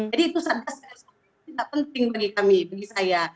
jadi itu sadar sekali tidak penting bagi kami bagi saya